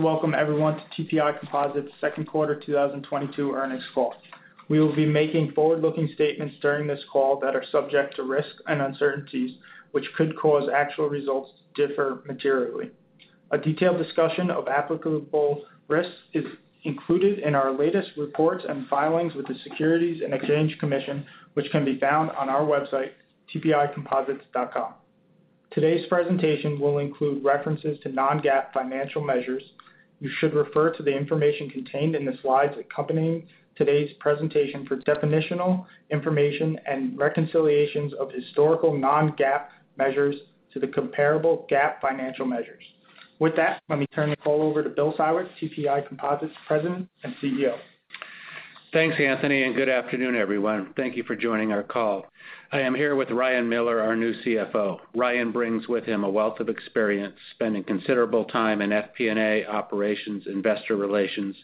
Welcome everyone to TPI Composites second quarter 2022 earnings call. We will be making forward-looking statements during this call that are subject to risks and uncertainties, which could cause actual results to differ materially. A detailed discussion of applicable risks is included in our latest reports and filings with the Securities and Exchange Commission, which can be found on our website, tpicomposites.com. Today's presentation will include references to non-GAAP financial measures. You should refer to the information contained in the slides accompanying today's presentation for definitional information and reconciliations of historical non-GAAP measures to the comparable GAAP financial measures. With that, let me turn the call over to Bill Siwek, President and CEO, TPI Composites. Thanks, Anthony, and good afternoon, everyone. Thank you for joining our call. I am here with Ryan Miller, our new CFO. Ryan brings with him a wealth of experience spending considerable time in FP&A operations, investor relations,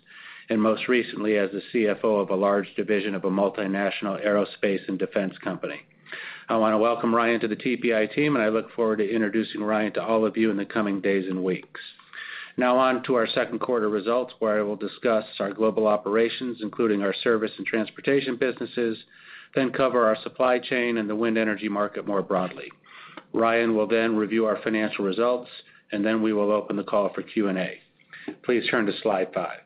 and most recently as the CFO of a large division of a multinational aerospace and defense company. I want to welcome Ryan to the TPI team, and I look forward to introducing Ryan to all of you in the coming days and weeks. Now on to our second quarter results, where I will discuss our global operations, including our service and transportation businesses, then cover our supply chain and the wind energy market more broadly. Ryan will then review our financial results, and then we will open the call for Q&A. Please turn to slide 5.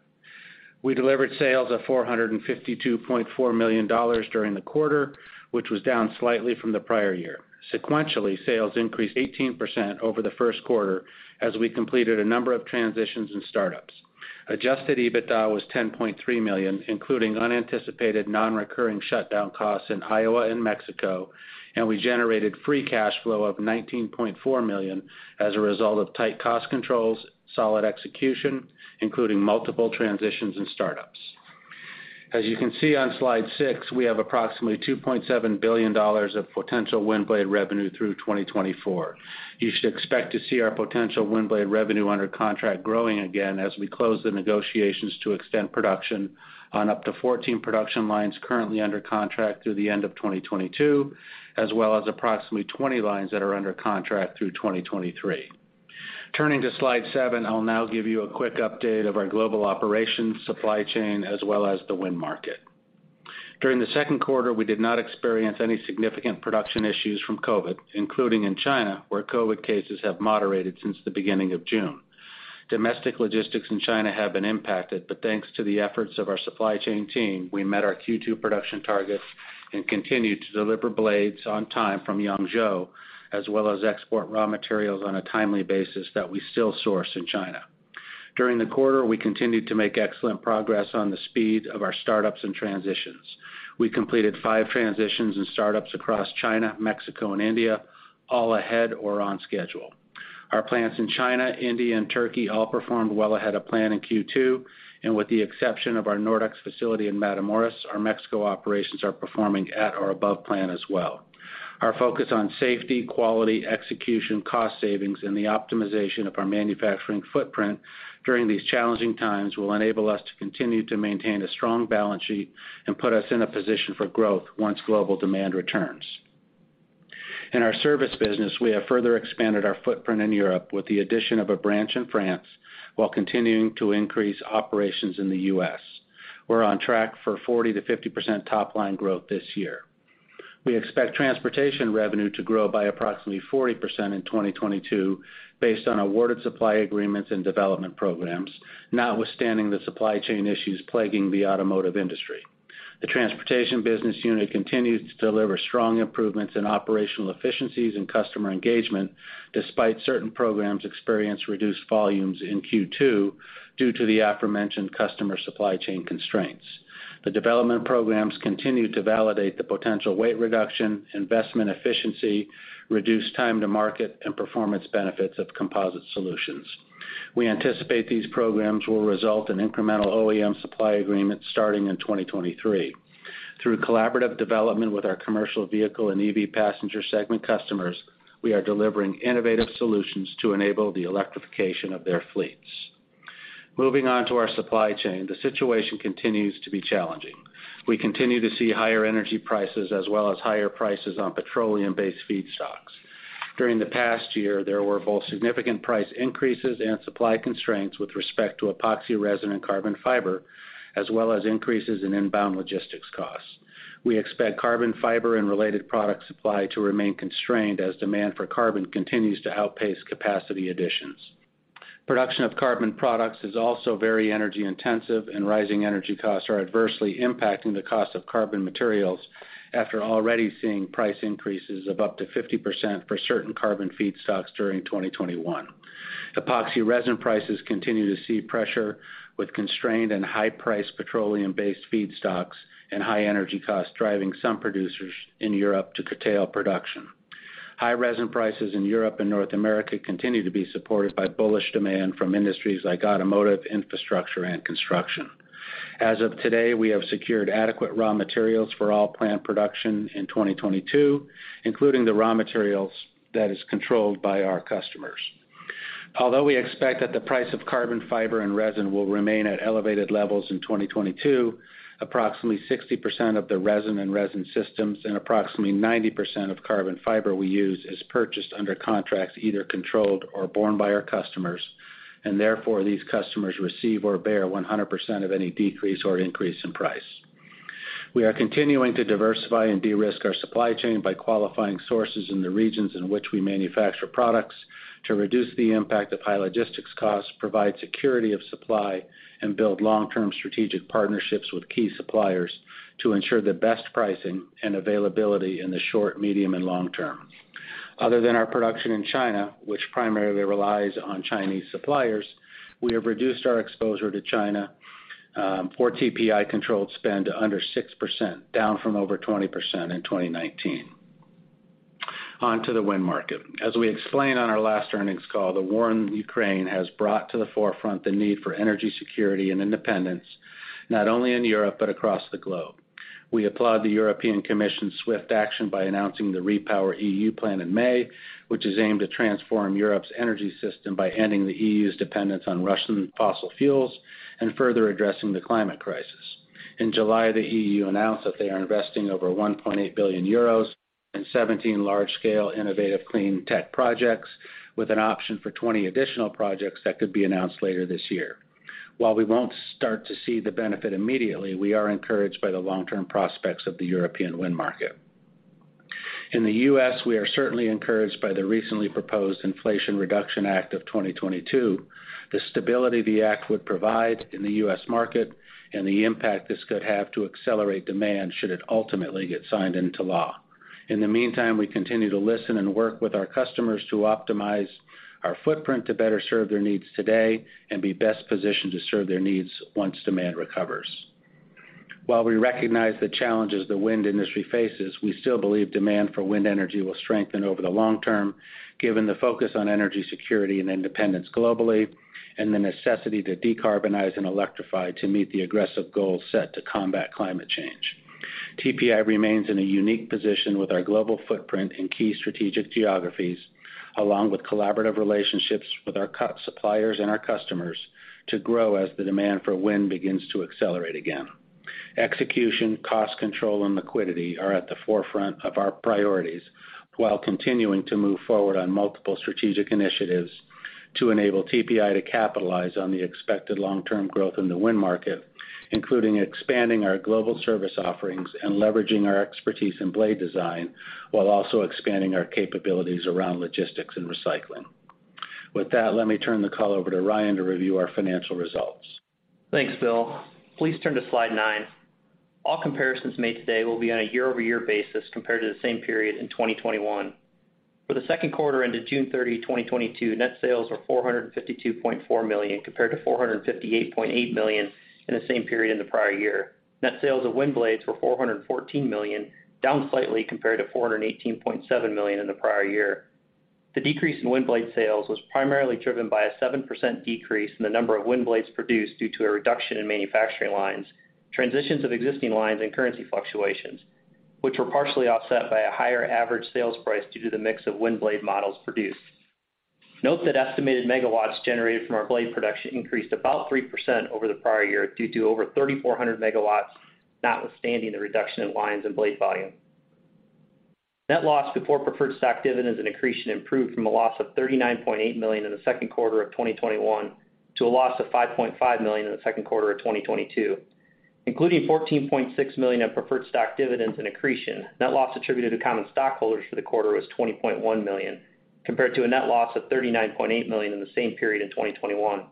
We delivered sales of $452.4 million during the quarter, which was down slightly from the prior year. Sequentially, sales increased 18% over the first quarter as we completed a number of transitions and startups. Adjusted EBITDA was $10.3 million, including unanticipated non-recurring shutdown costs in Iowa and Mexico, and we generated free cash flow of $19.4 million as a result of tight cost controls, solid execution, including multiple transitions and startups. As you can see on slide 6, we have approximately $2.7 billion of potential wind blade revenue through 2024. You should expect to see our potential wind blade revenue under contract growing again as we close the negotiations to extend production on up to 14 production lines currently under contract through the end of 2022, as well as approximately 20 lines that are under contract through 2023. Turning to slide 7. I'll now give you a quick update of our global operations, supply chain, as well as the wind market. During the second quarter, we did not experience any significant production issues from COVID, including in China, where COVID cases have moderated since the beginning of June. Domestic logistics in China have been impacted, but thanks to the efforts of our supply chain team, we met our Q2 production targets and continued to deliver blades on time from Yangzhou, as well as export raw materials on a timely basis that we still source in China. During the quarter, we continued to make excellent progress on the speed of our startups and transitions. We completed five transitions and startups across China, Mexico, and India, all ahead or on schedule. Our plants in China, India, and Turkey all performed well ahead of plan in Q2, and with the exception of our Nordex facility in Matamoros, our Mexico operations are performing at or above plan as well. Our focus on safety, quality, execution, cost savings, and the optimization of our manufacturing footprint during these challenging times will enable us to continue to maintain a strong balance sheet and put us in a position for growth once global demand returns. In our service business, we have further expanded our footprint in Europe with the addition of a branch in France while continuing to increase operations in the U.S. We're on track for 40%-50% top line growth this year. We expect transportation revenue to grow by approximately 40% in 2022 based on awarded supply agreements and development programs, notwithstanding the supply chain issues plaguing the automotive industry. The transportation business unit continues to deliver strong improvements in operational efficiencies and customer engagement despite certain programs experience reduced volumes in Q2 due to the aforementioned customer supply chain constraints. The development programs continue to validate the potential weight reduction, investment efficiency, reduced time to market, and performance benefits of composite solutions. We anticipate these programs will result in incremental OEM supply agreements starting in 2023. Through collaborative development with our commercial vehicle and EV passenger segment customers, we are delivering innovative solutions to enable the electrification of their fleets. Moving on to our supply chain, the situation continues to be challenging. We continue to see higher energy prices as well as higher prices on petroleum-based feedstocks. During the past year, there were both significant price increases and supply constraints with respect to epoxy resin and carbon fiber, as well as increases in inbound logistics costs. We expect carbon fiber and related product supply to remain constrained as demand for carbon continues to outpace capacity additions. Production of carbon products is also very energy-intensive, and rising energy costs are adversely impacting the cost of carbon materials after already seeing price increases of up to 50% for certain carbon feedstocks during 2021. Epoxy resin prices continue to see pressure with constrained and high-priced petroleum-based feedstocks and high energy costs driving some producers in Europe to curtail production. High resin prices in Europe and North America continue to be supported by bullish demand from industries like automotive, infrastructure, and construction. As of today, we have secured adequate raw materials for all plant production in 2022, including the raw materials that is controlled by our customers. Although we expect that the price of carbon fiber and resin will remain at elevated levels in 2022, approximately 60% of the resin and resin systems and approximately 90% of carbon fiber we use is purchased under contracts either controlled or borne by our customers, and therefore these customers receive or bear 100% of any decrease or increase in price. We are continuing to diversify and de-risk our supply chain by qualifying sources in the regions in which we manufacture products to reduce the impact of high logistics costs, provide security of supply, and build long-term strategic partnerships with key suppliers to ensure the best pricing and availability in the short, medium, and long term. Other than our production in China, which primarily relies on Chinese suppliers, we have reduced our exposure to China, for TPI-controlled spend to under 6%, down from over 20% in 2019. On to the wind market. As we explained on our last earnings call, the war in Ukraine has brought to the forefront the need for energy security and independence, not only in Europe but across the globe. We applaud the European Commission's swift action by announcing the REPowerEU plan in May, which is aimed to transform Europe's energy system by ending the EU's dependence on Russian fossil fuels and further addressing the climate crisis. In July, the EU announced that they are investing over 1.8 billion euros in 17 large-scale innovative clean tech projects, with an option for 20 additional projects that could be announced later this year. While we won't start to see the benefit immediately, we are encouraged by the long-term prospects of the European wind market. In the U.S., we are certainly encouraged by the recently proposed Inflation Reduction Act of 2022, the stability the act would provide in the U.S. market, and the impact this could have to accelerate demand should it ultimately get signed into law. In the meantime, we continue to listen and work with our customers to optimize our footprint to better serve their needs today and be best positioned to serve their needs once demand recovers. While we recognize the challenges the wind industry faces, we still believe demand for wind energy will strengthen over the long term, given the focus on energy security and independence globally and the necessity to decarbonize and electrify to meet the aggressive goals set to combat climate change. TPI remains in a unique position with our global footprint in key strategic geographies, along with collaborative relationships with our key suppliers and our customers to grow as the demand for wind begins to accelerate again. Execution, cost control, and liquidity are at the forefront of our priorities while continuing to move forward on multiple strategic initiatives to enable TPI to capitalize on the expected long-term growth in the wind market, including expanding our global service offerings and leveraging our expertise in blade design while also expanding our capabilities around logistics and recycling. With that, let me turn the call over to Ryan to review our financial results. Thanks, Bill. Please turn to slide 9. All comparisons made today will be on a year-over-year basis compared to the same period in 2021. For the second quarter ended June 30, 2022, net sales were $452.4 million, compared to $458.8 million in the same period in the prior year. Net sales of wind blades were $414 million, down slightly compared to $418.7 million in the prior year. The decrease in wind blade sales was primarily driven by a 7% decrease in the number of wind blades produced due to a reduction in manufacturing lines, transitions of existing lines, and currency fluctuations, which were partially offset by a higher average sales price due to the mix of wind blade models produced. Note that estimated megawatts generated from our blade production increased about 3% over the prior year due to over 3,400 MW, notwithstanding the reduction in lines and blade volume. Net loss before preferred stock dividends and accretion improved from a loss of $39.8 million in the second quarter of 2021 to a loss of $5.5 million in the second quarter of 2022. Including $14.6 million in preferred stock dividends and accretion, net loss attributed to common stockholders for the quarter was $20.1 million, compared to a net loss of $39.8 million in the same period in 2021.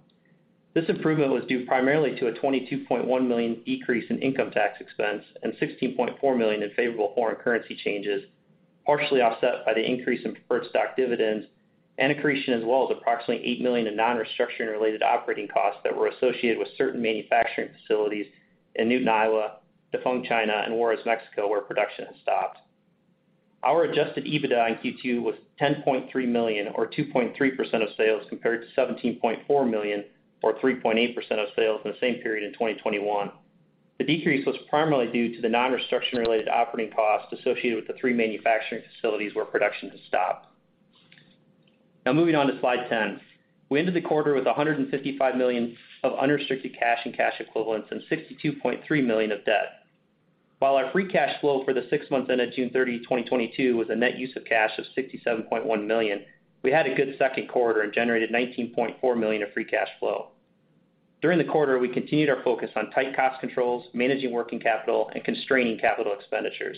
This improvement was due primarily to a $22.1 million decrease in income tax expense and $16.4 million in favorable foreign currency changes, partially offset by the increase in preferred stock dividends and accretion, as well as approximately $8 million in non-restructuring-related operating costs that were associated with certain manufacturing facilities in Newton, Iowa, Dafeng, China, and Juarez, Mexico, where production has stopped. Our Adjusted EBITDA in Q2 was $10.3 million, or 2.3% of sales, compared to $17.4 million, or 3.8% of sales, in the same period in 2021. The decrease was primarily due to the non-restructuring-related operating costs associated with the three manufacturing facilities where production has stopped. Now moving on to slide 10. We ended the quarter with $155 million of unrestricted cash and cash equivalents and $62.3 million of debt. While our free cash flow for the six months ended June 30, 2022, was a net use of cash of $67.1 million, we had a good second quarter and generated $19.4 million of free cash flow. During the quarter, we continued our focus on tight cost controls, managing working capital, and constraining capital expenditures.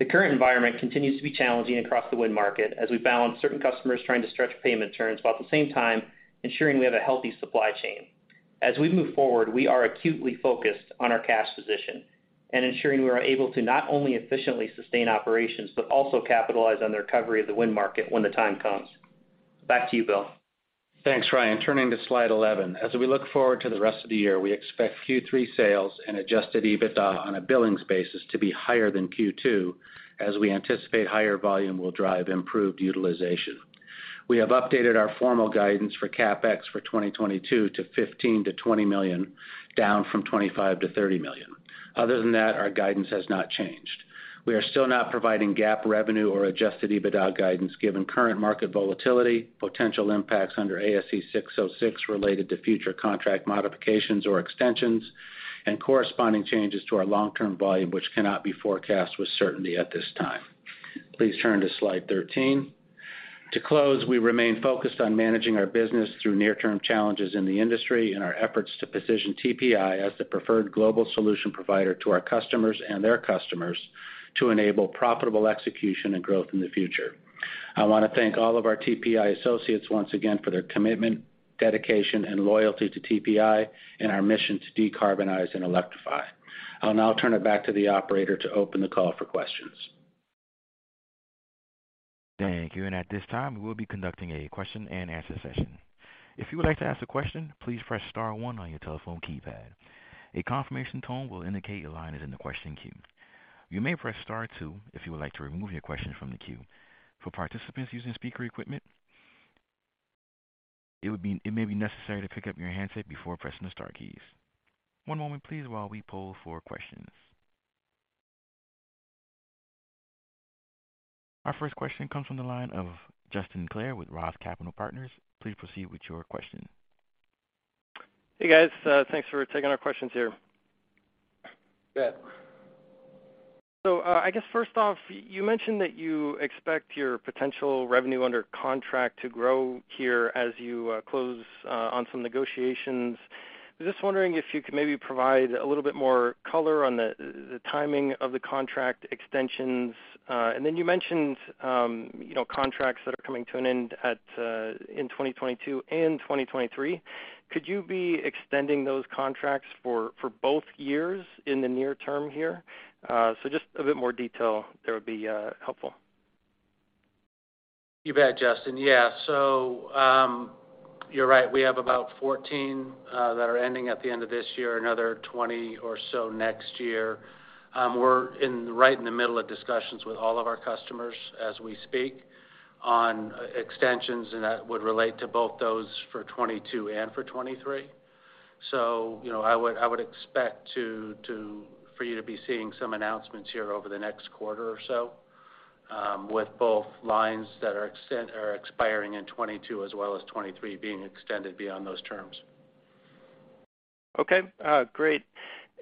The current environment continues to be challenging across the wind market as we balance certain customers trying to stretch payment terms, while at the same time ensuring we have a healthy supply chain. As we move forward, we are acutely focused on our cash position and ensuring we are able to not only efficiently sustain operations, but also capitalize on the recovery of the wind market when the time comes. Back to you, Bill. Thanks, Ryan. Turning to slide 11. As we look forward to the rest of the year, we expect Q3 sales and Adjusted EBITDA on a billings basis to be higher than Q2, as we anticipate higher volume will drive improved utilization. We have updated our formal guidance for CapEx for 2022 to $15 million-$20 million, down from $25 million-$30 million. Other than that, our guidance has not changed. We are still not providing GAAP revenue or Adjusted EBITDA guidance given current market volatility, potential impacts under ASC 606 related to future contract modifications or extensions, and corresponding changes to our long-term volume, which cannot be forecast with certainty at this time. Please turn to slide 13. To close, we remain focused on managing our business through near-term challenges in the industry and our efforts to position TPI as the preferred global solution provider to our customers and their customers to enable profitable execution and growth in the future. I wanna thank all of our TPI associates once again for their commitment, dedication, and loyalty to TPI and our mission to decarbonize and electrify. I'll now turn it back to the operator to open the call for questions. Thank you. At this time, we will be conducting a question-and-answer session. If you would like to ask a question, please press star one on your telephone keypad. A confirmation tone will indicate your line is in the question queue. You may press star two if you would like to remove your question from the queue. For participants using speaker equipment, it may be necessary to pick up your handset before pressing the star keys. One moment please while we poll for questions. Our first question comes from the line of Justin Clare with Roth Capital Partners. Please proceed with your question. Hey, guys. Thanks for taking our questions here. You bet. I guess first off, you mentioned that you expect your potential revenue under contract to grow here as you close on some negotiations. I'm just wondering if you could maybe provide a little bit more color on the timing of the contract extensions. And then you mentioned, you know, contracts that are coming to an end in 2022 and 2023. Could you be extending those contracts for both years in the near term here? Just a bit more detail there would be helpful. You bet, Justin. Yeah. You're right. We have about 14 that are ending at the end of this year, another 20 or so next year. We're right in the middle of discussions with all of our customers as we speak on extensions, and that would relate to both those for 2022 and for 2023. You know, I would expect for you to be seeing some announcements here over the next quarter or so, with both lines that are extant or expiring in 2022 as well as 2023 being extended beyond those terms. Okay. Great.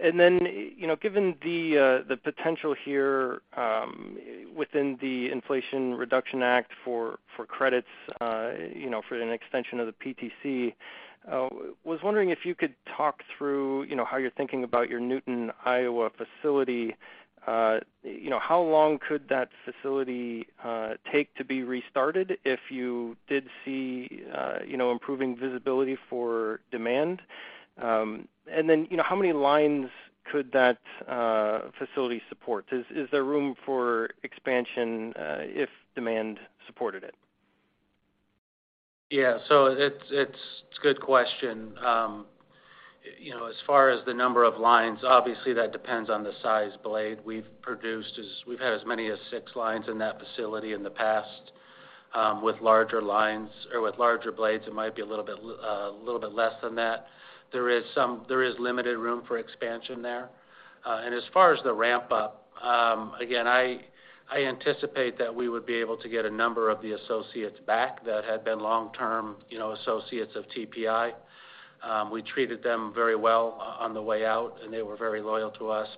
You know, given the potential here within the Inflation Reduction Act for credits, you know, for an extension of the PTC, was wondering if you could talk through, you know, how you're thinking about your Newton, Iowa facility. You know, how long could that facility take to be restarted if you did see, you know, improving visibility for demand? And then, you know, how many lines could that facility support? Is there room for expansion, if demand supported it? It's a good question. You know, as far as the number of lines, obviously that depends on the size blade we've produced. As we've had as many as six lines in that facility in the past, with larger lines or with larger blades, it might be a little bit less than that. There is limited room for expansion there. As far as the ramp up, again, I anticipate that we would be able to get a number of the associates back that had been long-term, you know, associates of TPI. We treated them very well on the way out, and they were very loyal to us.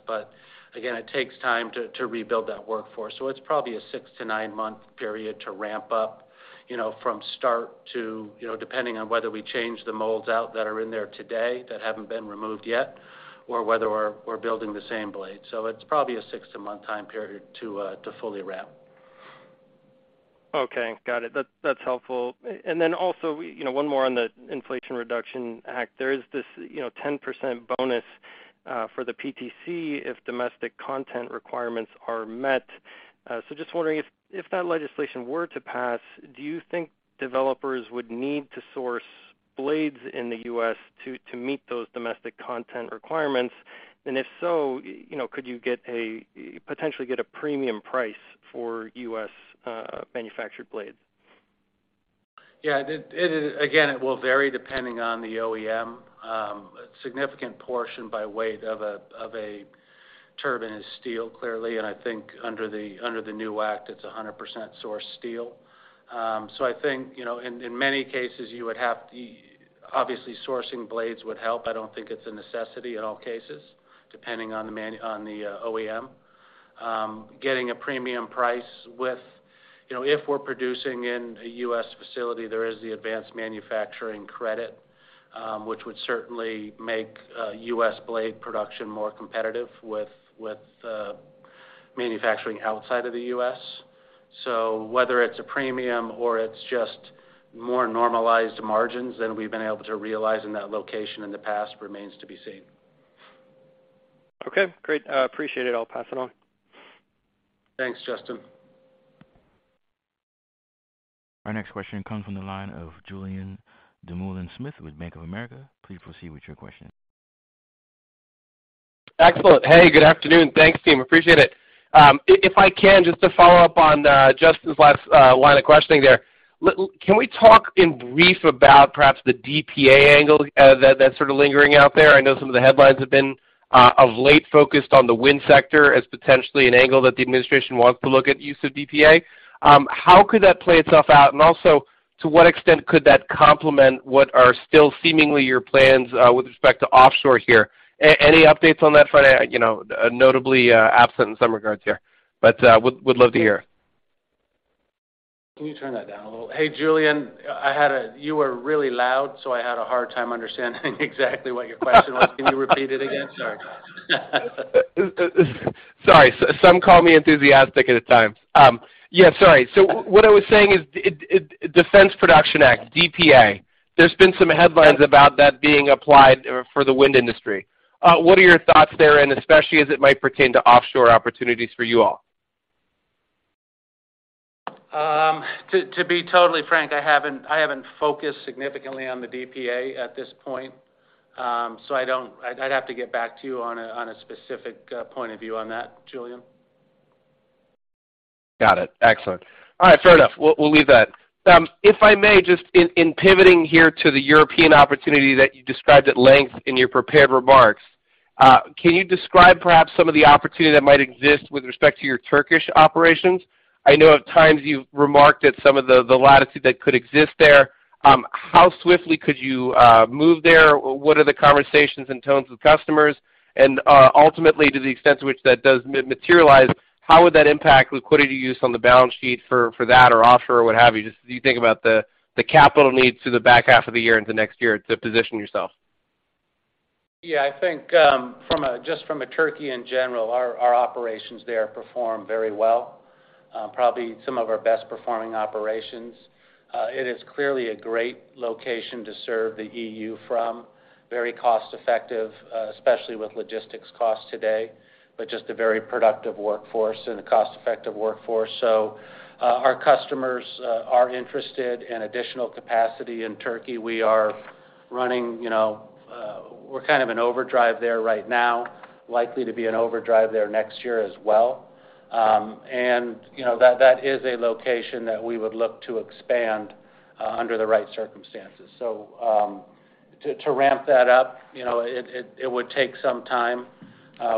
Again, it takes time to rebuild that workforce. It's probably a six-nine month period to ramp up, you know, from start to, you know, depending on whether we change the molds out that are in there today that haven't been removed yet or whether we're building the same blade. It's probably a six-nine month time period to fully ramp. Okay. Got it. That's helpful. Also, you know, one more on the Inflation Reduction Act. There is this, you know, 10% bonus for the PTC if domestic content requirements are met. Just wondering if that legislation were to pass, do you think developers would need to source blades in the U.S. to meet those domestic content requirements? If so, you know, could you potentially get a premium price for U.S. manufactured blades? Yeah. Again, it will vary depending on the OEM. Significant portion by weight of a turbine is steel, clearly, and I think under the new act, it's 100% sourced steel. I think, you know, in many cases you would have. Obviously, sourcing blades would help. I don't think it's a necessity in all cases, depending on the OEM. Getting a premium price with. You know, if we're producing in a U.S. facility, there is the advanced manufacturing credit, which would certainly make U.S. blade production more competitive with manufacturing outside of the U.S. Whether it's a premium or it's just more normalized margins than we've been able to realize in that location in the past remains to be seen. Okay, great. Appreciate it. I'll pass it on. Thanks, Justin. Our next question comes from the line of Julien Dumoulin-Smith with Bank of America. Please proceed with your question. Excellent. Hey, good afternoon. Thanks, team, appreciate it. If I can, just to follow up on Justin's last line of questioning there. Can we talk in brief about perhaps the DPA angle that's sort of lingering out there? I know some of the headlines have been of late focused on the wind sector as potentially an angle that the administration wants to look at use of DPA. How could that play itself out? And also to what extent could that complement what are still seemingly your plans with respect to offshore here? Any updates on that front, you know, notably absent in some regards here, but would love to hear. Can you turn that down a little? Hey, Julien, you were really loud, so I had a hard time understanding exactly what your question was. Can you repeat it again? Sorry. Sorry. Some call me enthusiastic at a time. Yeah, sorry. What I was saying is Defense Production Act, DPA. There's been some headlines about that being applied for the wind industry. What are your thoughts there, and especially as it might pertain to offshore opportunities for you all? To be totally frank, I haven't focused significantly on the DPA at this point, so I don't. I'd have to get back to you on a specific point of view on that, Julien. Got it. Excellent. All right, fair enough. We'll leave that. If I may just in pivoting here to the European opportunity that you described at length in your prepared remarks, can you describe perhaps some of the opportunity that might exist with respect to your Turkish operations? I know at times you've remarked at some of the latitude that could exist there. How swiftly could you move there? What are the conversations and tones with customers? And ultimately, to the extent to which that does materialize, how would that impact liquidity use on the balance sheet for that or offshore or what have you, just as you think about the capital needs through the back half of the year into next year to position yourself? Yeah. I think, just from Turkey in general, our operations there perform very well, probably some of our best performing operations. It is clearly a great location to serve the EU from, very cost-effective, especially with logistics costs today, but just a very productive workforce and a cost-effective workforce. Our customers are interested in additional capacity in Turkey. We are running, you know, we're kind of in overdrive there right now, likely to be in overdrive there next year as well. You know, that is a location that we would look to expand, under the right circumstances. To ramp that up, you know, it would take some time.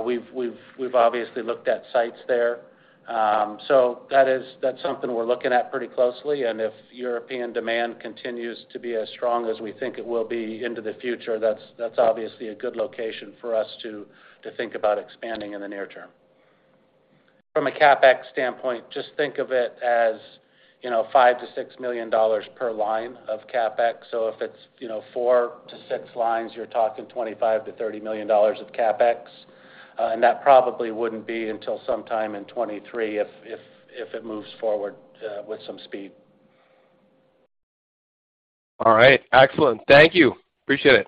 We've obviously looked at sites there. That is something we're looking at pretty closely. If European demand continues to be as strong as we think it will be into the future, that's obviously a good location for us to think about expanding in the near term. From a CapEx standpoint, just think of it as, you know, $5-$6 million per line of CapEx. If it's, you know, four-six lines, you're talking $25 million-$30 million of CapEx. That probably wouldn't be until sometime in 2023 if it moves forward with some speed. All right. Excellent. Thank you. Appreciate it.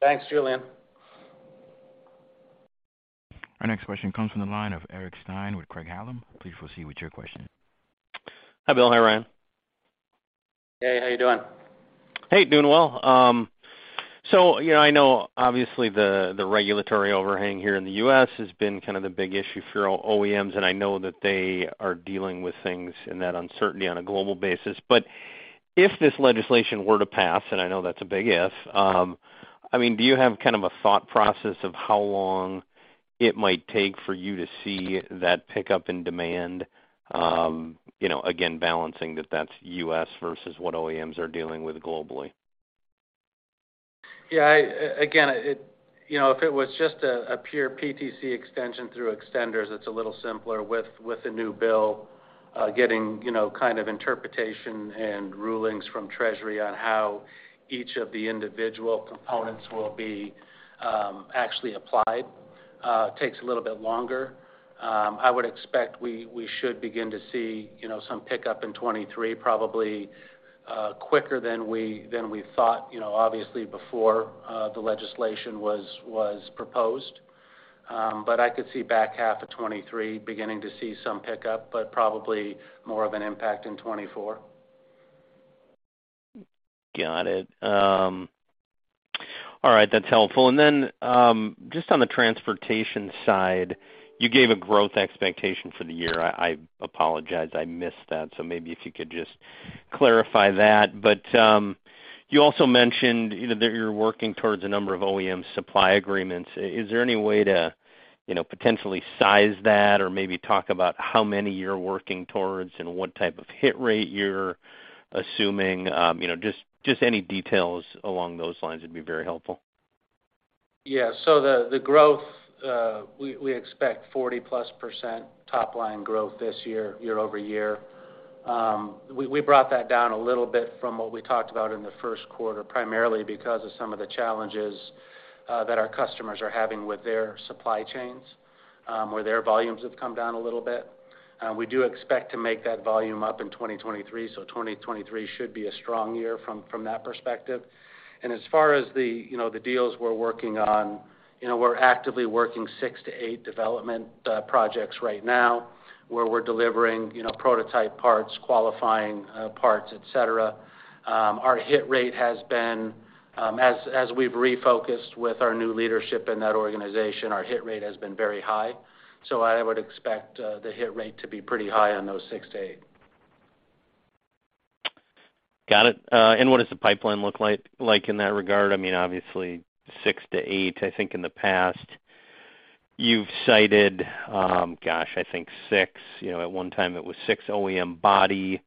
Thanks, Julien Dumoulin-Smith. Our next question comes from the line of Eric Stine with Craig-Hallum. Please proceed with your question. Hi, Bill. Hi, Ryan. Hey, how you doing? Hey, doing well. You know, I know obviously the regulatory overhang here in the U.S. has been kind of the big issue for your OEMs, and I know that they are dealing with things and that uncertainty on a global basis. If this legislation were to pass, and I know that's a big if, I mean, do you have kind of a thought process of how long it might take for you to see that pickup in demand, you know, again, balancing that that's U.S. versus what OEMs are dealing with globally? Yeah. Again, you know, if it was just a pure PTC extension through extenders, it's a little simpler. With the new bill, getting, you know, kind of interpretation and rulings from Treasury on how each of the individual components will be actually applied takes a little bit longer. I would expect we should begin to see, you know, some pickup in 2023, probably quicker than we thought, you know, obviously before the legislation was proposed. I could see back half of 2023 beginning to see some pickup, but probably more of an impact in 2024. Got it. All right, that's helpful. Just on the transportation side, you gave a growth expectation for the year. I apologize I missed that, so maybe if you could just clarify that. You also mentioned that you're working towards a number of OEM supply agreements. Is there any way to, you know, potentially size that or maybe talk about how many you're working towards and what type of hit rate you're assuming? You know, just any details along those lines would be very helpful. Yeah. The growth we expect 40%+ top line growth this year year-over-year. We brought that down a little bit from what we talked about in the first quarter, primarily because of some of the challenges that our customers are having with their supply chains, where their volumes have come down a little bit. We do expect to make that volume up in 2023, so 2023 should be a strong year from that perspective. As far as the you know the deals we're working on, you know we're actively working six to eight development projects right now, where we're delivering you know prototype parts, qualifying parts, et cetera. Our hit rate has been as we've refocused with our new leadership in that organization, our hit rate has been very high. I would expect the hit rate to be pretty high on those six to eight. Got it. What does the pipeline look like in that regard? I mean, obviously six to eight, I think in the past you've cited, gosh, I think six, you know, at one time it was six OEM body,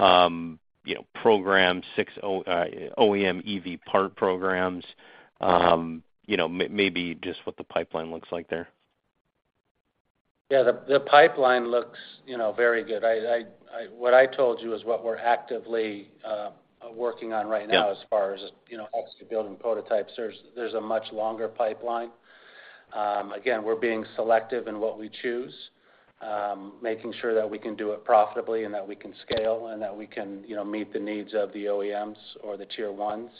you know, program six OEM EV part programs. You know, maybe just what the pipeline looks like there. Yeah. The pipeline looks, you know, very good. What I told you is what we're actively working on right now. Yeah As far as, you know, actually building prototypes. There's a much longer pipeline. Again, we're being selective in what we choose, making sure that we can do it profitably and that we can scale and that we can, you know, meet the needs of the OEMs or the tier ones.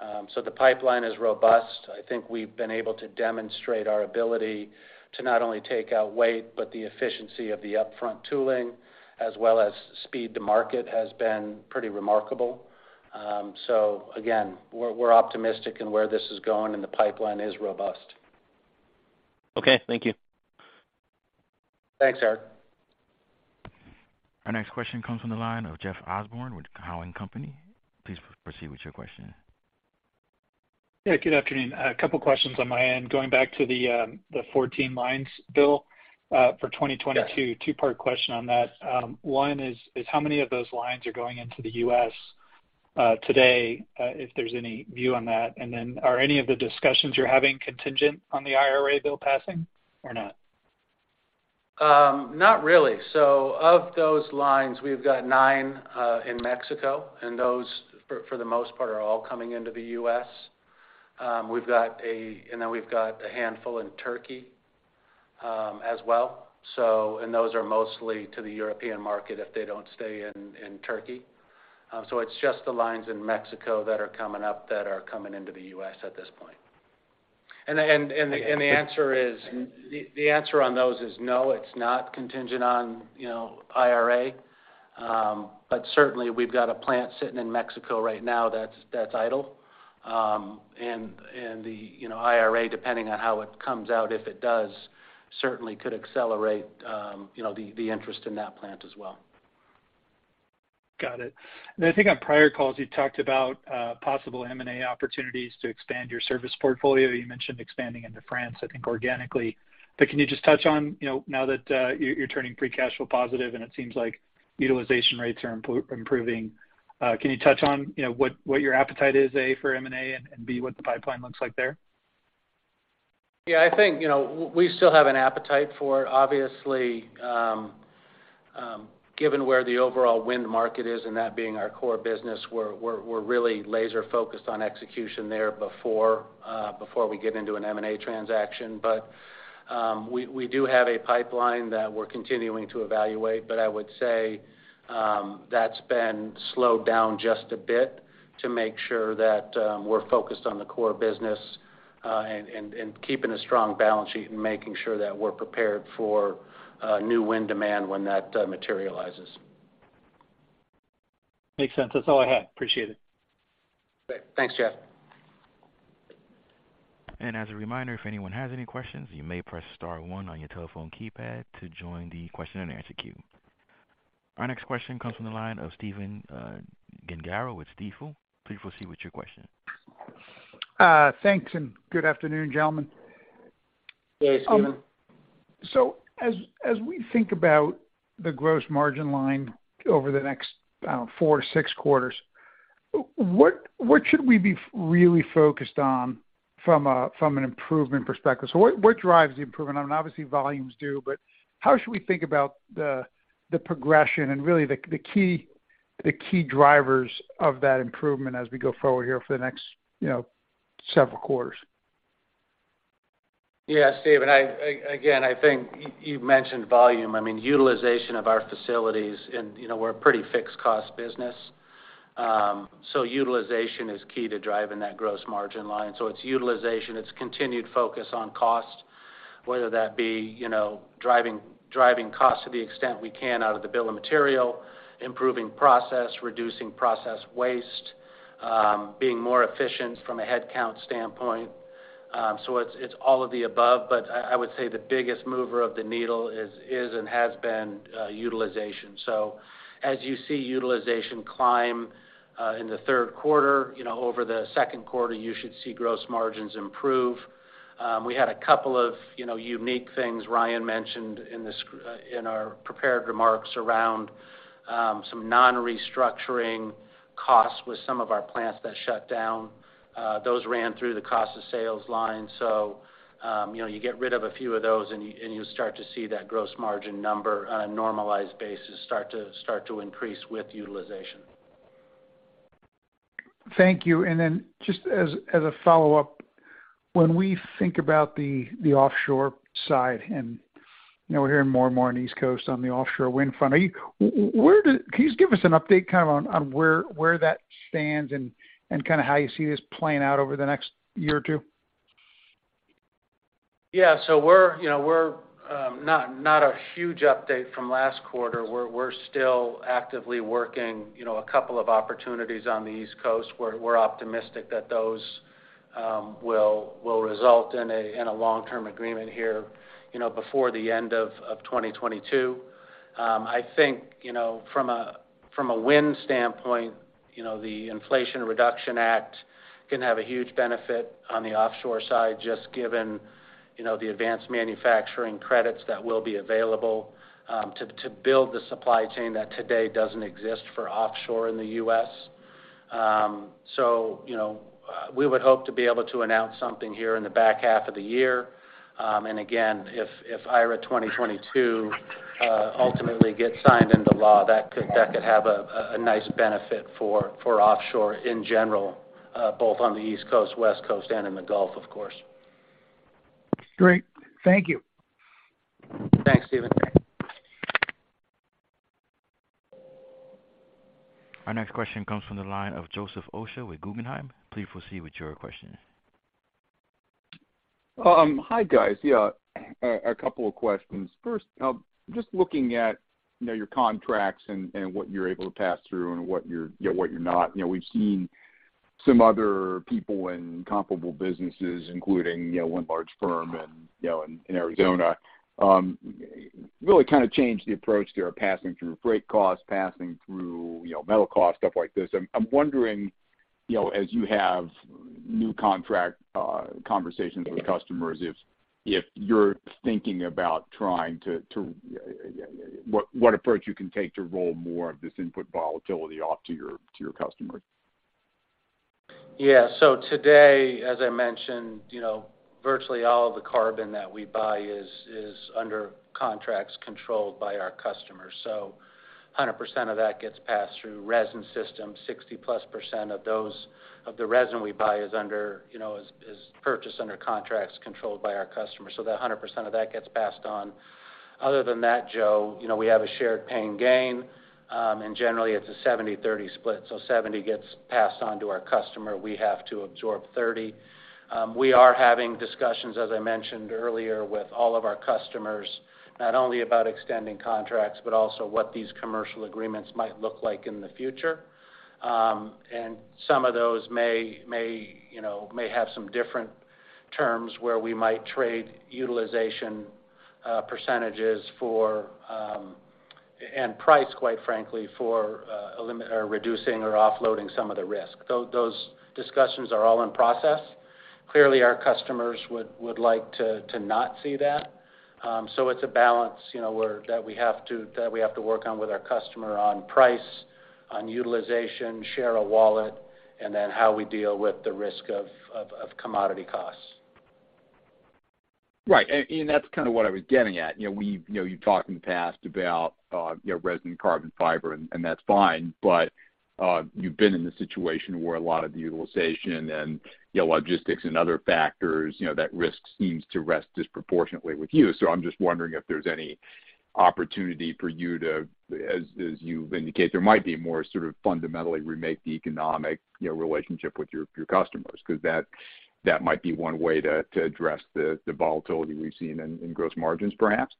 The pipeline is robust. I think we've been able to demonstrate our ability to not only take out weight, but the efficiency of the upfront tooling as well as speed to market has been pretty remarkable. Again, we're optimistic in where this is going, and the pipeline is robust. Okay. Thank you. Thanks, Art. Our next question comes from the line of Jeff Osborne with Cowen and Company. Please proceed with your question. Yeah. Good afternoon. A couple questions on my end. Going back to the 14 lines bill for 2022. Yeah. Two-part question on that. One is how many of those lines are going into the U.S. today, if there's any view on that? Are any of the discussions you're having contingent on the IRA bill passing or not? Not really. Of those lines, we've got nine in Mexico, and those for the most part are all coming into the U.S. We've got a handful in Turkey as well, and those are mostly to the European market if they don't stay in Turkey. It's just the lines in Mexico that are coming into the U.S. at this point. The answer on those is no, it's not contingent on, you know, IRA. Certainly we've got a plant sitting in Mexico right now that's idle. You know, IRA, depending on how it comes out, if it does, certainly could accelerate the interest in that plant as well. Got it. I think on prior calls you talked about possible M&A opportunities to expand your service portfolio. You mentioned expanding into France, I think organically. Can you just touch on, you know, now that you're turning free cash flow positive and it seems like utilization rates are improving, can you touch on, you know, what your appetite is, A, for M&A and B, what the pipeline looks like there? Yeah. I think, you know, we still have an appetite for it. Obviously, given where the overall wind market is and that being our core business, we're really laser focused on execution there before we get into an M&A transaction. We do have a pipeline that we're continuing to evaluate, but I would say, that's been slowed down just a bit to make sure that we're focused on the core business and keeping a strong balance sheet and making sure that we're prepared for new wind demand when that materializes. Makes sense. That's all I had. Appreciate it. Great. Thanks, Jeff. As a reminder, if anyone has any questions, you may press star one on your telephone keypad to join the question and answer queue. Our next question comes from the line of Stephen Gengaro with Stifel. Please proceed with your question. Thanks, good afternoon, gentlemen. Hey, Stephen. As we think about the gross margin line over the next, I don't know, 4-6 quarters, what should we be really focused on from an improvement perspective? What drives the improvement? I mean, obviously volumes do, but how should we think about the progression and really the key drivers of that improvement as we go forward here for the next, you know, several quarters? Yeah. Stephen, again, I think you've mentioned volume. I mean, utilization of our facilities and, you know, we're a pretty fixed cost business. Utilization is key to driving that gross margin line. It's utilization, it's continued focus on cost, whether that be, you know, driving cost to the extent we can out of the bill of material, improving process, reducing process waste, being more efficient from a headcount standpoint. It's all of the above, but I would say the biggest mover of the needle is and has been utilization. As you see utilization climb in the third quarter, you know, over the second quarter, you should see gross margins improve. We had a couple of, you know, unique things Ryan mentioned in our prepared remarks around some non-restructuring costs with some of our plants that shut down. Those ran through the cost of sales line. You know, you get rid of a few of those and you start to see that gross margin number on a normalized basis start to increase with utilization. Thank you. Just as a follow-up, when we think about the offshore side, and you know, we're hearing more and more on the East Coast on the offshore wind farm. Can you just give us an update kind of on where that stands and kind of how you see this playing out over the next year or two? Yeah. We're, you know, not a huge update from last quarter. We're still actively working, you know, a couple of opportunities on the East Coast. We're optimistic that those will result in a long-term agreement here, you know, before the end of 2022. I think, you know, from a wind standpoint, you know, the Inflation Reduction Act can have a huge benefit on the offshore side just given, you know, the advanced manufacturing credits that will be available to build the supply chain that today doesn't exist for offshore in the U.S. We would hope to be able to announce something here in the back half of the year. Again, if IRA 2022 ultimately gets signed into law, that could have a nice benefit for offshore in general, both on the East Coast, West Coast, and in the Gulf, of course. Great. Thank you. Thanks, Stephen. Our next question comes from the line of Joseph Osha with Guggenheim. Please proceed with your question. Hi, guys. Yeah, a couple of questions. First, just looking at, you know, your contracts and what you're able to pass through and, you know, what you're not. You know, we've seen some other people in comparable businesses, including, you know, one large firm and, you know, in Arizona, really kind of change the approach. They are passing through freight costs, passing through, you know, metal costs, stuff like this. I'm wondering, you know, as you have new contract conversations with customers if you're thinking about trying to what approach you can take to roll more of this input volatility off to your customers. Yeah. Today, as I mentioned, you know, virtually all of the carbon that we buy is under contracts controlled by our customers. 100% of that gets passed through resin systems. 60+% of the resin we buy is purchased under contracts controlled by our customers. That 100% of that gets passed on. Other than that, Joe, you know, we have a shared pain/gain, and generally it's a 70-30 split. 70 gets passed on to our customer, we have to absorb 30. We are having discussions, as I mentioned earlier, with all of our customers, not only about extending contracts, but also what these commercial agreements might look like in the future. Some of those may, you know, have some different terms where we might trade utilization percentages for price, quite frankly, for reducing or offloading some of the risk. Those discussions are all in process. Clearly, our customers would like to not see that. It's a balance, you know, that we have to work on with our customer on price, on utilization, share a wallet, and then how we deal with the risk of commodity costs. Right. That's kind of what I was getting at. You know, you've talked in the past about, you know, resin carbon fiber, and that's fine. You've been in the situation where a lot of the utilization and, you know, logistics and other factors, you know, that risk seems to rest disproportionately with you. I'm just wondering if there's any opportunity for you to, as you've indicated, there might be more sort of fundamentally remake the economic, you know, relationship with your customers, 'cause that might be one way to address the volatility we've seen in gross margins, perhaps.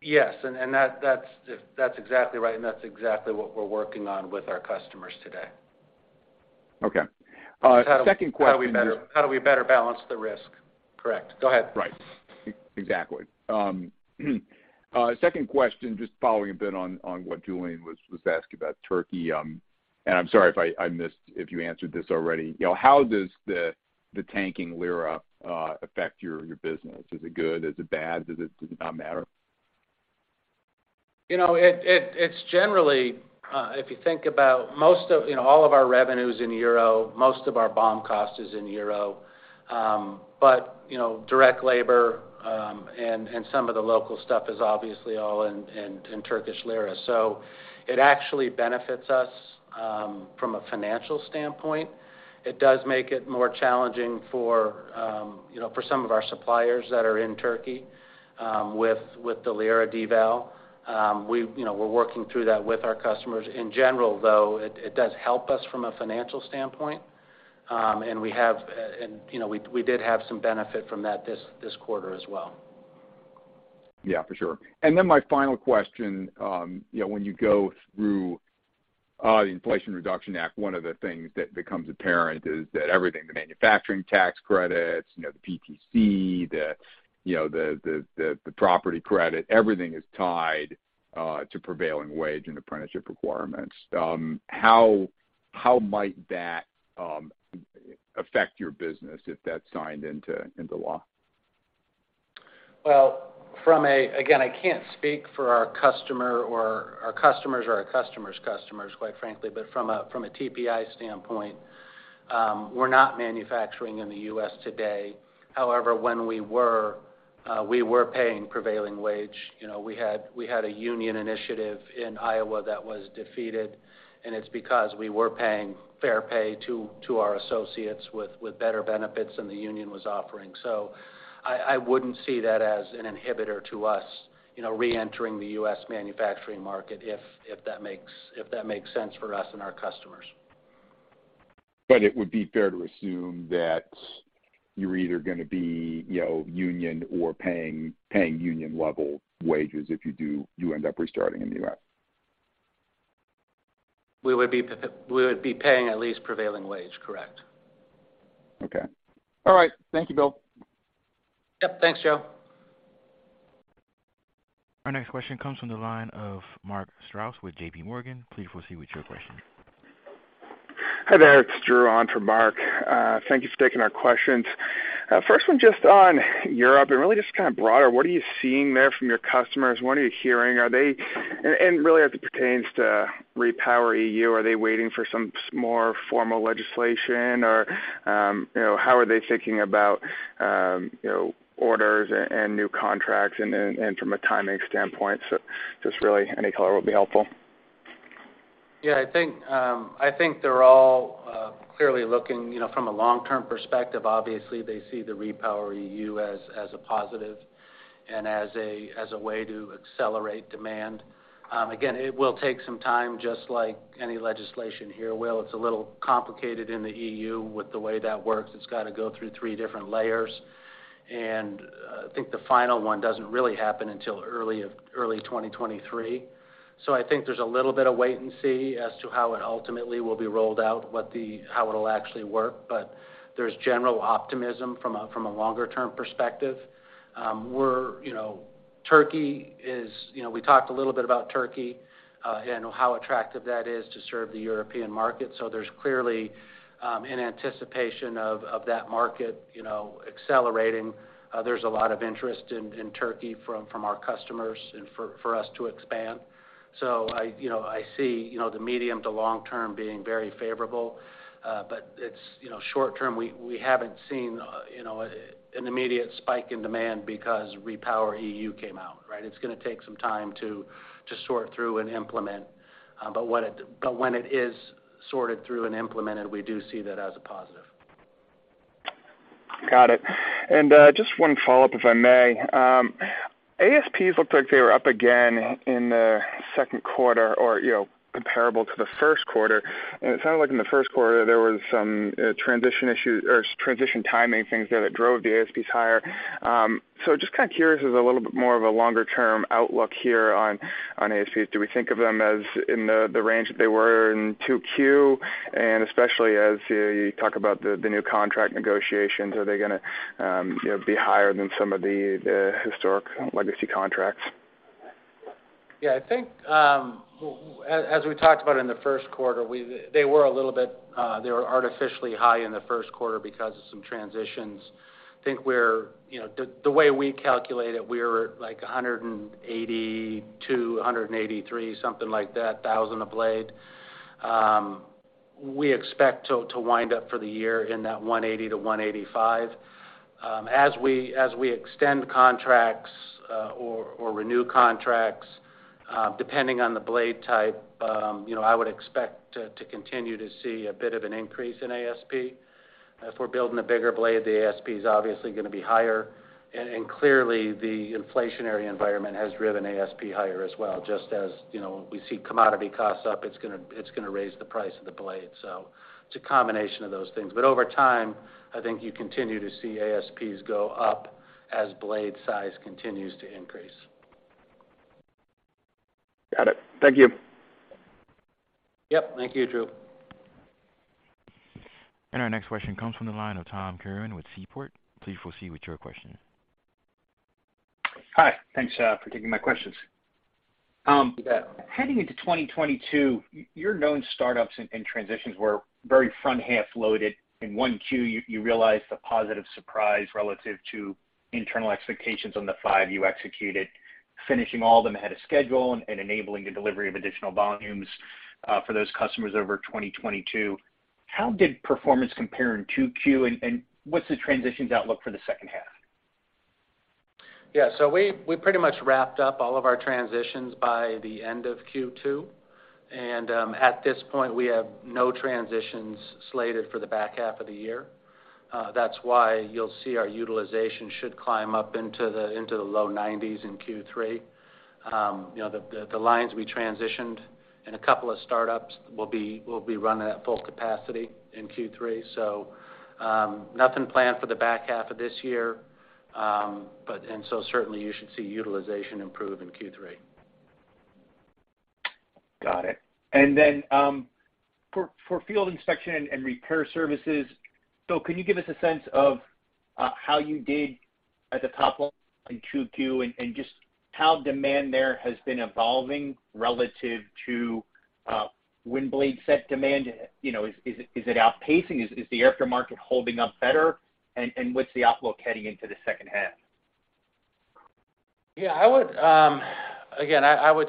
Yes. That's exactly right, and that's exactly what we're working on with our customers today. Okay. Second question. How do we better balance the risk? Correct. Go ahead. Right. Exactly. Second question, just following a bit on what Julian was asking about Turkey. I'm sorry if I missed if you answered this already. You know, how does the tanking lira affect your business? Is it good? Is it bad? Does it not matter? You know, it is generally if you think about most. You know, all of our revenues in euro, most of our BOM cost is in euro. But, you know, direct labor and some of the local stuff is obviously all in Turkish lira. So it actually benefits us from a financial standpoint. It does make it more challenging for you know, for some of our suppliers that are in Turkey with the lira devaluation. You know, we're working through that with our customers. In general, though, it does help us from a financial standpoint. And we have, you know, we did have some benefit from that this quarter as well. Yeah, for sure. My final question, you know, when you go through the Inflation Reduction Act, one of the things that becomes apparent is that everything, the manufacturing tax credits, you know, the PTC, the property credit, everything is tied to prevailing wage and apprenticeship requirements. How might that affect your business if that's signed into law? Well, again, I can't speak for our customer or our customers or our customers' customers, quite frankly, but from a TPI standpoint, we're not manufacturing in the U.S. today. However, when we were, we were paying prevailing wage. You know, we had a union initiative in Iowa that was defeated, and it's because we were paying fair pay to our associates with better benefits than the union was offering. I wouldn't see that as an inhibitor to us, you know, reentering the U.S. manufacturing market if that makes sense for us and our customers. It would be fair to assume that you're either gonna be, you know, union or paying union level wages if you end up restarting in the U.S. We would be paying at least prevailing wage. Correct. Okay. All right. Thank you, Bill. Yep. Thanks, Joe. Our next question comes from the line of Mark Strouse with JPMorgan. Please proceed with your question. Hi there, it's Drew on for Mark. Thank you for taking our questions. First one just on Europe and really just kind of broader, what are you seeing there from your customers? What are you hearing? Really as it pertains to REPowerEU, are they waiting for some more formal legislation or, you know, how are they thinking about, you know, orders and new contracts and then from a timing standpoint? Just really any color would be helpful. Yeah, I think they're all clearly looking, you know, from a long-term perspective, obviously they see the REPowerEU as a positive and as a way to accelerate demand. Again, it will take some time, just like any legislation here will. It's a little complicated in the EU with the way that works. It's gotta go through three different layers. I think the final one doesn't really happen until early 2023. I think there's a little bit of wait and see as to how it ultimately will be rolled out, how it'll actually work. There's general optimism from a longer-term perspective. We're, you know, Turkey is, you know, we talked a little bit about Turkey, and how attractive that is to serve the European market. There's clearly an anticipation of that market, you know, accelerating. There's a lot of interest in Turkey from our customers and for us to expand. I see, you know, the medium to long term being very favorable. But it's, you know, short term, we haven't seen, you know, an immediate spike in demand because REPowerEU came out, right? It's gonna take some time to sort through and implement. But when it is sorted through and implemented, we do see that as a positive. Got it. Just one follow-up, if I may. ASPs looked like they were up again in the second quarter or, you know, comparable to the first quarter. It sounded like in the first quarter there was some transition issues or transition timing things there that drove the ASPs higher. Just kind of curious as a little bit more of a longer term outlook here on ASPs. Do we think of them as in the range that they were in 2Q? Especially as you talk about the new contract negotiations, are they gonna, you know, be higher than some of the historic legacy contracts? Yeah, I think, as we talked about in the first quarter, they were a little bit, they were artificially high in the first quarter because of some transitions. I think we're, you know, the way we calculate it, we were at like $182 thousand-$183 thousand a blade. We expect to wind up for the year in that $180 thousand-$185 thousand. As we extend contracts, or renew contracts, depending on the blade type, you know, I would expect to continue to see a bit of an increase in ASP. If we're building a bigger blade, the ASP is obviously gonna be higher. Clearly the inflationary environment has driven ASP higher as well. Just as, you know, we see commodity costs up, it's gonna raise the price of the blade. It's a combination of those things. Over time, I think you continue to see ASPs go up as blade size continues to increase. Got it. Thank you. Yep. Thank you, Drew. Our next question comes from the line of Tom Curran with Seaport. Please proceed with your question. Hi. Thanks for taking my questions. You bet. Heading into 2022, your known startups and transitions were very front half loaded. In 1Q, you realized the positive surprise relative to internal expectations on the five you executed, finishing all of them ahead of schedule and enabling the delivery of additional volumes for those customers over 2022. How did performance compare in 2Q, and what's the transitions outlook for the second half? Yeah. We pretty much wrapped up all of our transitions by the end of Q2. At this point, we have no transitions slated for the back half of the year. That's why you'll see our utilization climb up into the low 90s% in Q3. You know, the lines we transitioned and a couple of startups will be running at full capacity in Q3. Nothing planned for the back half of this year. Certainly you should see utilization improve in Q3. Got it. For field inspection and repair services, Bill, can you give us a sense of how you did at the top line in 2Q and just how demand there has been evolving relative to wind blade set demand? You know, is it outpacing? Is the aftermarket holding up better? And what's the outlook heading into the second half? Yeah, I would again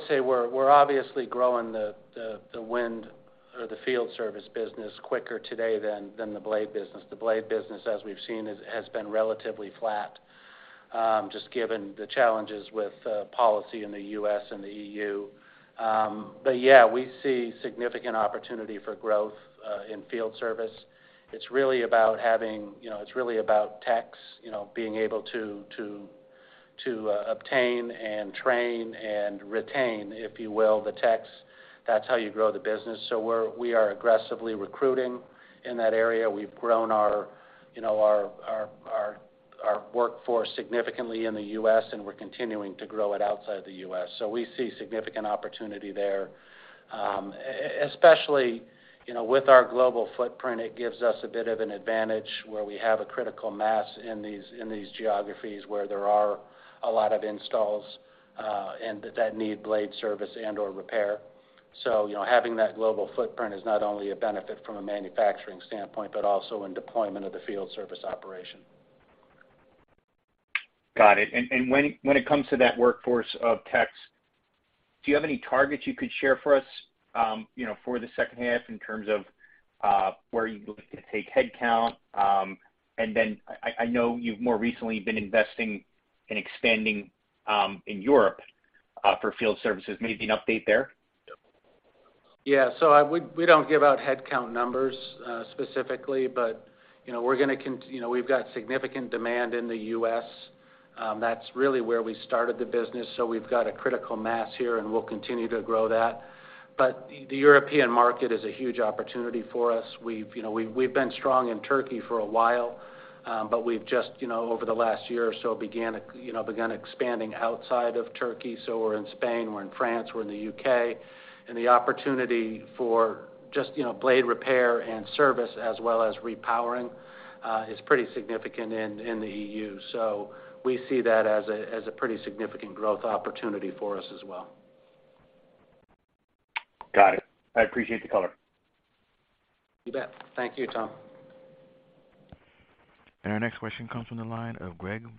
say we're obviously growing the wind or the field service business quicker today than the blade business. The blade business, as we've seen, has been relatively flat just given the challenges with policy in the U.S. and the E.U. Yeah, we see significant opportunity for growth in field service. It's really about techs, you know, being able to obtain and train and retain, if you will, the techs. That's how you grow the business. We are aggressively recruiting in that area. We've grown our, you know, our workforce significantly in the U.S. and we're continuing to grow it outside the U.S. We see significant opportunity there, especially, you know, with our global footprint, it gives us a bit of an advantage where we have a critical mass in these geographies where there are a lot of installs, and that need blade service and/or repair. You know, having that global footprint is not only a benefit from a manufacturing standpoint, but also in deployment of the field service operation. Got it. When it comes to that workforce of techs, do you have any targets you could share for us, you know, for the second half in terms of, where you looking to take headcount? I know you've more recently been investing in expanding, in Europe, for field services. Maybe an update there? We don't give out headcount numbers, specifically, but you know, we've got significant demand in the U.S. That's really where we started the business. We've got a critical mass here, and we'll continue to grow that. The European market is a huge opportunity for us. We've, you know, we've been strong in Turkey for a while, but we've just, you know, over the last year or so begun expanding outside of Turkey. We're in Spain, we're in France, we're in the U.K., and the opportunity for just, you know, blade repair and service as well as repowering is pretty significant in the EU. We see that as a pretty significant growth opportunity for us as well. Got it. I appreciate the color. You bet. Thank you, Tom. Our next question comes from the line of Gregory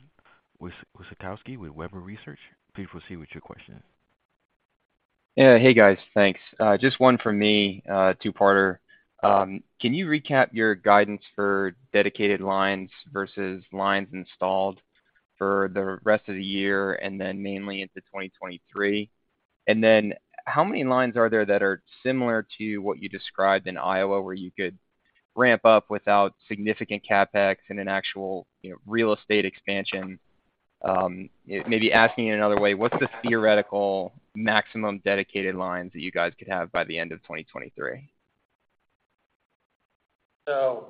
Wasikowski with Webber Research. Please proceed with your question. Yeah. Hey, guys. Thanks. Just one from me, two-parter. Can you recap your guidance for dedicated lines versus lines installed for the rest of the year and then mainly into 2023? How many lines are there that are similar to what you described in Iowa, where you could ramp up without significant CapEx in an actual, you know, real estate expansion? Maybe asking in another way, what's the theoretical maximum dedicated lines that you guys could have by the end of 2023?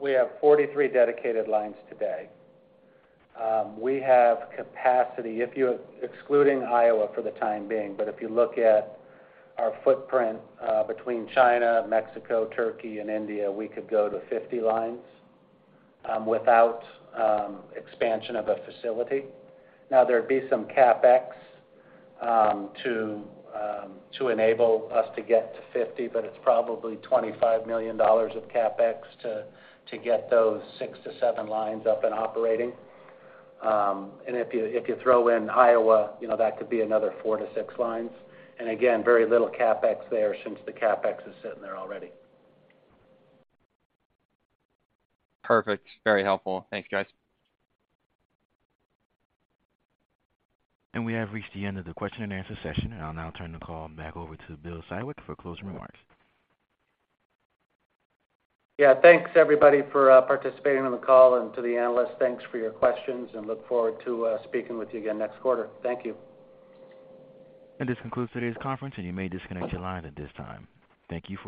We have 43 dedicated lines today. We have capacity excluding Iowa for the time being, but if you look at our footprint between China, Mexico, Turkey and India, we could go to 50 lines without expansion of a facility. Now, there'd be some CapEx to enable us to get to 50, but it's probably $25 million of CapEx to get those six to seven lines up and operating. If you throw in Iowa, you know, that could be another four to six lines. Again, very little CapEx there since the CapEx is sitting there already. Perfect. Very helpful. Thanks, guys. We have reached the end of the question and answer session. I'll now turn the call back over to Bill Siwek for closing remarks. Yeah. Thanks everybody for participating on the call, and to the analysts, thanks for your questions and look forward to speaking with you again next quarter. Thank you. This concludes today's conference and you may disconnect your line at this time. Thank you for your participation.